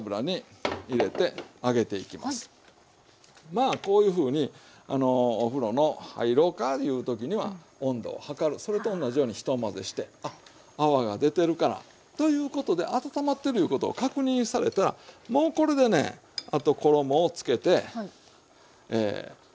まあこういうふうにお風呂の入ろうかいう時には温度を測るそれと同じようにひと混ぜしてあっ泡が出てるからということで温まってるいうことを確認されたらもうこれでねあと衣をつけて入れていくと。